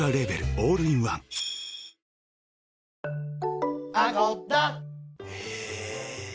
オールインワン世界初！